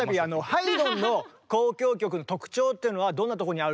ハイドンの交響曲の特徴っていうのはどんなところにあるとお思いですか？